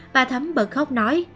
bà thấm bật khóc nói